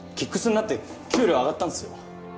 ＫＩＣＫＳになって給料上がったんですよ。